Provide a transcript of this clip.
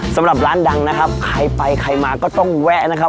สำหรับร้านดังนะครับใครไปใครมาก็ต้องแวะนะครับ